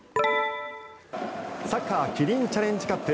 サッカーキリンチャレンジカップ。